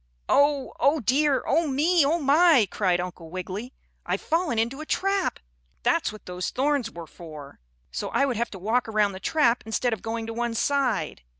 "Oh! Oh dear! Oh me! Oh my!" cried Uncle Wiggily. "I've fallen into a trap! That's what those thorns were for so I would have to walk toward the trap instead of going to one side."